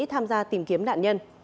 tham gia tìm kiếm nạn nhân